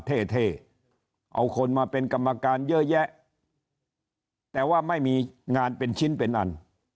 เท่เท่เอาคนมาเป็นกรรมการเยอะแยะแต่ว่าไม่มีงานเป็นชิ้นเป็นอัน